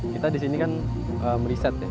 kita di sini kan meriset ya